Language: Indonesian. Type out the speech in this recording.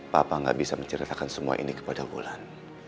papa gak bisa menceritakan semua ini kepada bulan